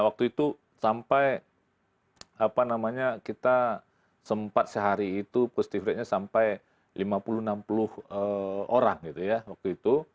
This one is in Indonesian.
waktu itu sampai apa namanya kita sempat sehari itu positive ratenya sampai lima puluh enam puluh orang gitu ya waktu itu